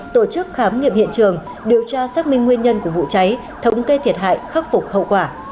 tổ chức khám nghiệm hiện trường điều tra xác minh nguyên nhân của vụ cháy thống kê thiệt hại khắc phục hậu quả